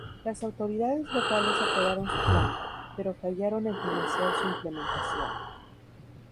Las autoridades locales aprobaron su plan, pero fallaron en financiar su implementación.